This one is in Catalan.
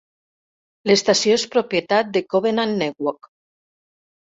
L'estació és propietat de Covenant Network.